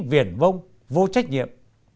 viển vông vô trách nhiệm